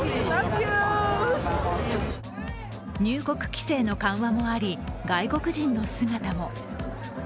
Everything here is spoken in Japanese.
入国規制の緩和もあり、外国人の姿も。